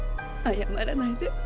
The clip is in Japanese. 謝らないで。